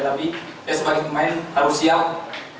tapi saya sebagai pemain harus siap